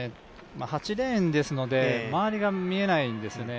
８レーンですので、周りが見えないんですよね。